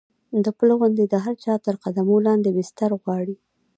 د پله غوندې د هر چا تر قدمونو لاندې بستر غواړي.